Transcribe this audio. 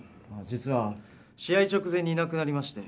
実は試合直前にいなくなりまして。